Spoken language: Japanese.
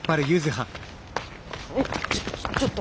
えっちょちょっと！